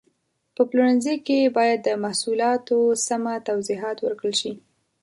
په پلورنځي کې باید د محصولاتو سمه توضیحات ورکړل شي.